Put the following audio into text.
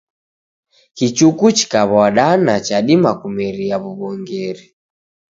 Kichuku chikaw'adana chadima kumeria w'uw'ongeri.